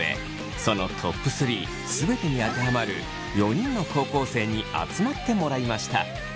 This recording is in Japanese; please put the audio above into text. そのＴＯＰ３全てにあてはまる４人の高校生に集まってもらいました。